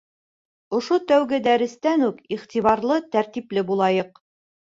Ошо тәүге дәрестән үк иғтибарлы, тәртипле булайыҡ.